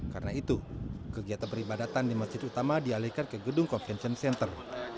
karena itu kegiatan peribadatan di masjid utama dialihkan ke gedung convention center